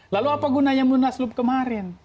lalu apa gunanya munaslup kemarin